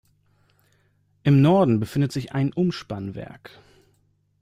Im Norden befindet sich ein Umspannwerk.